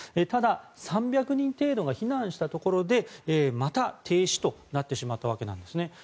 ただ、３００人程度が避難したところでまた停止となってしまったわけなんですね。